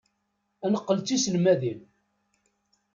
Ad neqqel d tiselmadin.